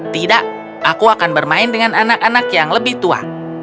tidak aku akan bermain dengan anak anak yang lebih tua